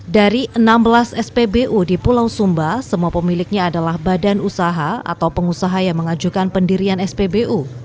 dari enam belas spbu di pulau sumba semua pemiliknya adalah badan usaha atau pengusaha yang mengajukan pendirian spbu